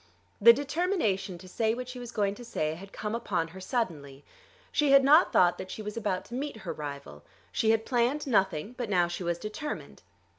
The determination to say what she was going to say had come upon her suddenly. She had not thought that she was about to meet her rival. She had planned nothing; but now she was determined.